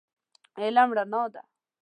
علم رڼا ده.